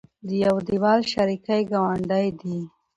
د يو دېول شریکې ګاونډۍ دي